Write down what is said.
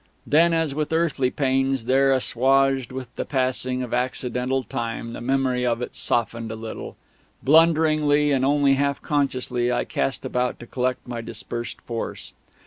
Then, as with earthly pains, that are assuaged with the passing of accidental time, the memory of it softened a little. Blunderingly and only half consciously, I cast about to collect my dispersed force.